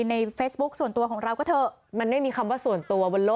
ในเฟซบุ๊คส่วนตัวของเราก็เถอะมันไม่มีคำว่าส่วนตัวบนโลก